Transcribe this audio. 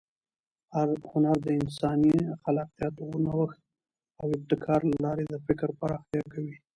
هنر د انساني خلاقیت، نوښت او ابتکار له لارې د فکر پراختیا کوي.